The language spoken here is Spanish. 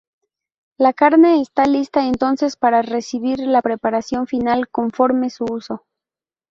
La carne está lista entonces para recibir la preparación final, conforme su uso.